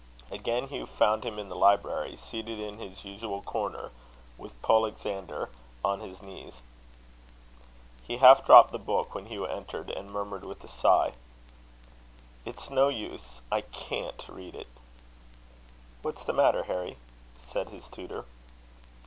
Again Hugh found him in the library, seated in his usual corner, with Polexander on his knees. He half dropped the book when Hugh entered, and murmured with a sigh: "It's no use; I can't read it." "What's the matter, Harry?" said his tutor.